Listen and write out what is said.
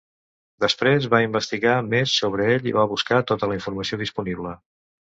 Després va investigar més sobre ell i va buscar tota la informació disponible.